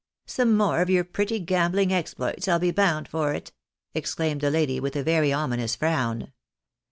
" Some more of your pretty gambling exploits, I'll be bound for it," exclaimed the lady, with a very ominous frown.